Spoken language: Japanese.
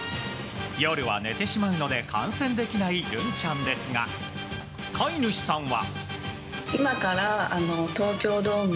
夜は寝てしまうので観戦できないるんちゃんですが飼い主さんは。